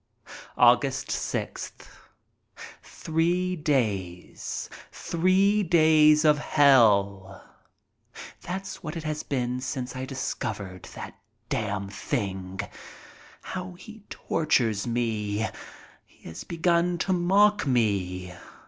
ug. 6th. Three days. Three days of hell! That's what it has been since I discovered that damned thing. How he tortures me! He has begun to mock me.